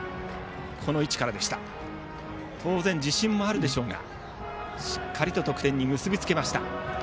当然自信もあるでしょうがしっかり得点に結びつけました。